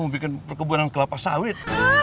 gue mau bikin perkebunan kelapa sawit